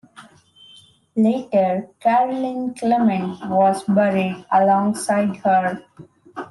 Later, Caroline Clement was buried alongside her.